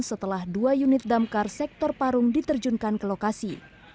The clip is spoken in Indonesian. setelah dua unit damkar sektor parung diterjunkan ke lokasi